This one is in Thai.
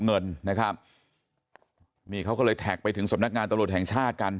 เงินนะครับนี่เขาก็เลยแท็กไปถึงสำนักงานตำรวจแห่งชาติกัน